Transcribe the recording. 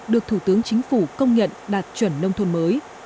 được thủ tướng chính phủ công nhận đạt chuẩn nông thôn mới